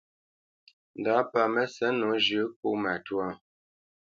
Ndǎ pâ Mə́sɛ̌t nǒ zhʉ̌ʼ kó matwâ.